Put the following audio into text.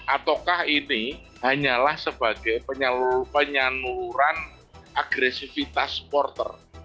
ataukah ini hanyalah sebagai penyaluran agresivitas supporter